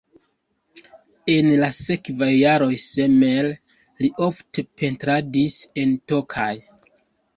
En la sekvaj jaroj somere li ofte pentradis en Tokaj.